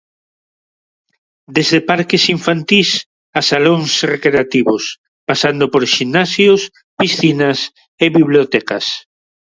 Desde parques infantís a salóns recreativos, pasando por ximnasios, piscinas e bibliotecas.